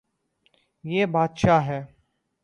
یے بدشاہ ہے